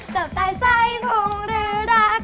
เติบใต้ใส่ผงรือรัก